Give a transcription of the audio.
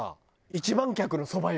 一番客のそば湯。